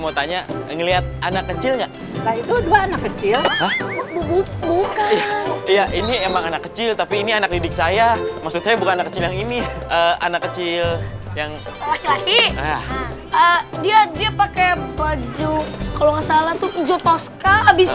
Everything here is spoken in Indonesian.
ada anak kecil yang laki laki dia dia pakai baju kalau nggak salah tuh hijau toska habis